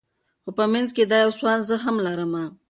خو په منځ کي دا یو سوال زه هم لرمه